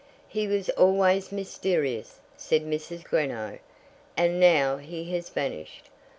"He was always mysterious," said Mrs. Greenow, "and now he has vanished.